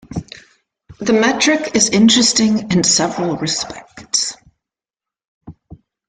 The metric is interesting in several respects.